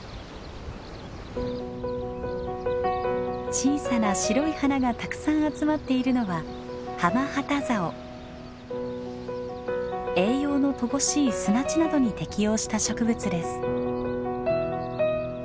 小さな白い花がたくさん集まっているのは栄養の乏しい砂地などに適応した植物です。